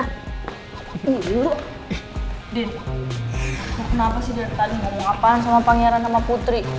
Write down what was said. kenapa sih dari tadi mau apaan sama pangeran sama putri